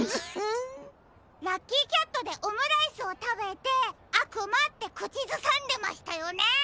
ラッキーキャットでオムライスをたべて「あくま」ってくちずさんでましたよね？